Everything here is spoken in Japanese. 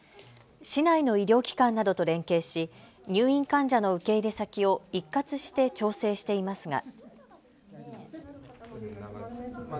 市内の医療機関などと連携し入院患者の受け入れ先を一括して調整していますが。